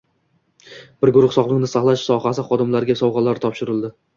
Bir guruh sog‘liqni saqlash sohasi xodimlariga sovg‘alar topshirildi